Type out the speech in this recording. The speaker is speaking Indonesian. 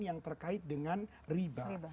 yang terkait dengan riba